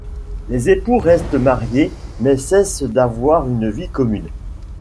Les époux restent mariés mais cessent d'avoir une vie commune.